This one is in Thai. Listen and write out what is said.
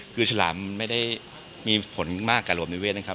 คือฉลามไม่ได้มีผลมากกับระบบนิเวศนะครับ